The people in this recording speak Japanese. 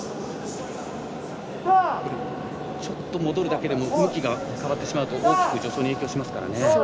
ちょっと戻るだけでも向きが変わってしまうと大きく助走に影響しますからね。